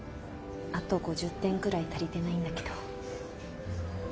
あと５０点ぐらい足りてないんだけど。